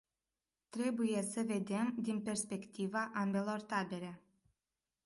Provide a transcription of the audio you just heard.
Trebuie să vedem din perspectiva ambelor tabere.